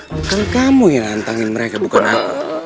bukan kamu yang lantangin mereka bukan aku